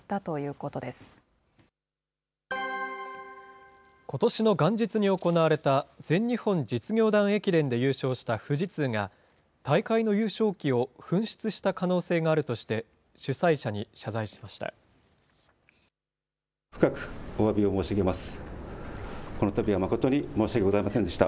ことしの元日に行われた、全日本実業団駅伝で優勝した富士通が、大会の優勝旗を紛失した可能性があるとして、主催者に謝罪しました。